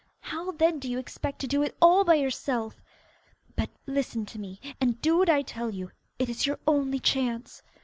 How, then, do you expect to do it all by yourself? But listen to me, and do what I tell you. It is your only chance.